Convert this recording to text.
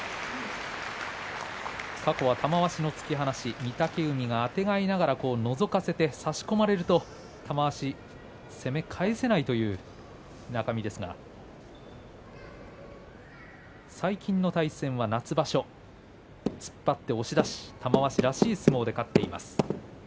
過去は玉鷲の突き放し御嶽海があてがいながらのぞかせて差し込まれると玉鷲、攻め返せないという中身ですが最近の対戦は夏場所、突っ張って押し出し、玉鷲らしい相撲で勝っています。